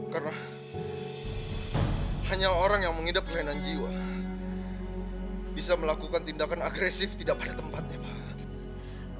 karena hanya orang yang mengindap kelainan jiwa bisa melakukan tindakan agresif tidak pada tempatnya pak